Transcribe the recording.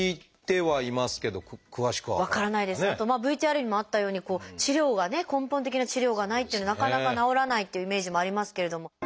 あとＶＴＲにもあったように治療がね根本的な治療がないっていうのでなかなか治らないっていうイメージもありますけれども。